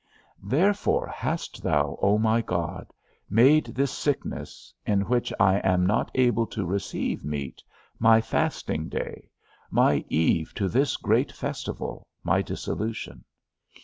_ Therefore hast thou, O my God, made this sickness, in which I am not able to receive meat, my fasting day, my eve to this great festival, my dissolution.